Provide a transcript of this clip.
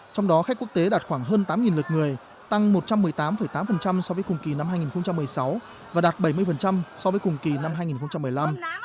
trong đó khách quốc tế đạt khoảng hơn tám lượt người tăng một trăm một mươi tám tám so với cùng kỳ năm hai nghìn một mươi sáu và đạt bảy mươi so với cùng kỳ năm hai nghìn một mươi năm